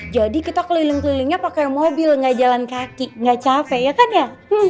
jadi kita keliling kelilingnya pakai mobil gak jalan kaki gak capek ya kan ya